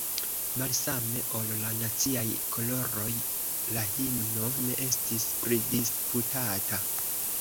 Malsame ol la naciaj koloroj, la himno ne estis pridisputata.